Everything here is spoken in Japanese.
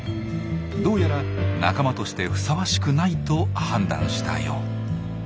どうやら仲間としてふさわしくないと判断したよう。